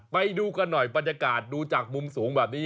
ไปดูกันหน่อยบรรยากาศดูจากมุมสูงแบบนี้